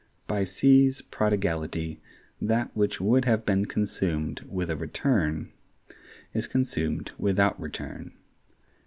By C's prodigality, that which would have been consumed with a return is consumed without return.